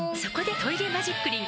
「トイレマジックリン」